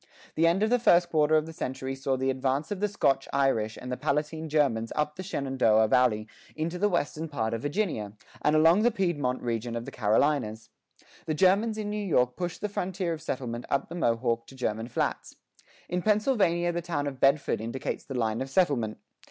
The end of the first quarter of the century saw the advance of the Scotch Irish and the Palatine Germans up the Shenandoah Valley into the western part of Virginia, and along the Piedmont region of the Carolinas.[5:2] The Germans in New York pushed the frontier of settlement up the Mohawk to German Flats.[5:3] In Pennsylvania the town of Bedford indicates the line of settlement.